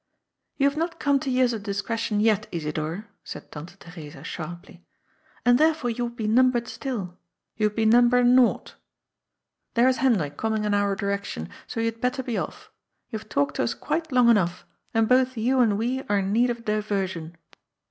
" You have not come to years of discretion yet, Isidor," said Tante Theresa sharply, " and therefore you would be numbered still. You would be number nought. There is Hendrik coming in our direction, and so you had better be off. You have talked to us quite long enough, and both you and we are in need of a diversion."